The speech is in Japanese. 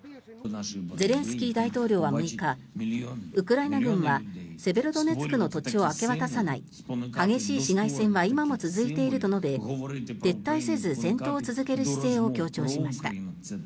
ゼレンスキー大統領は６日ウクライナ軍はセベロドネツクの土地を明け渡さない激しい市街戦は今も続いていると述べ撤退せず、戦闘を続ける姿勢を強調しました。